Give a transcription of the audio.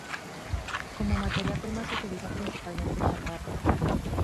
Como materia prima se utiliza principalmente chatarra.